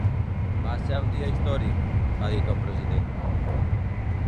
Va ser un dia històric, ha dit el president.